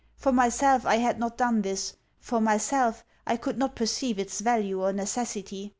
For myself, I had not done this for myself, I could not perceive its value or necessity.